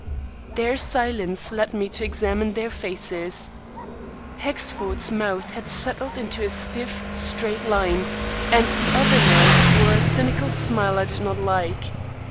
Their silence led me to examine their faces. Hexford's mouth had settled into a stiff, straight line and the other man's wore a cynical smile I did not like.